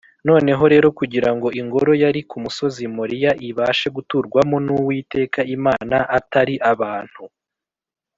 noneho rero kugira ngo ingoro yari ku musozi moriya ibashe guturwamo “n’uwiteka imana, atari abantu”